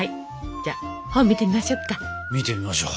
じゃあ本見てみましょうか。